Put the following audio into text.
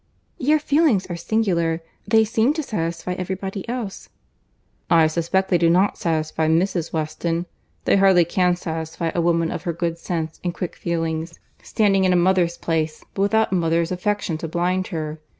"Your feelings are singular. They seem to satisfy every body else." "I suspect they do not satisfy Mrs. Weston. They hardly can satisfy a woman of her good sense and quick feelings: standing in a mother's place, but without a mother's affection to blind her.